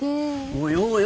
およおよ